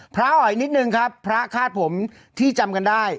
อ๋ออีกนิดนึงครับพระคาดผมที่จำกันได้